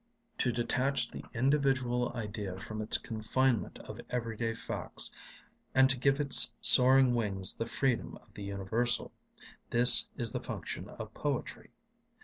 To detach the individual idea from its confinement of everyday facts and to give its soaring wings the freedom of the universal: this is the function of poetry.